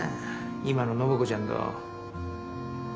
今の暢子ちゃんと。